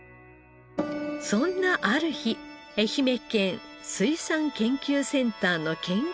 そんなある日愛媛県水産研究センターの研究を知ります。